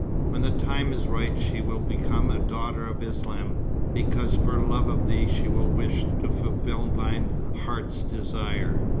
When the time is ripe, she will become a daughter of Islam, because for love of thee, she will wish to fulfil thine heart's desire."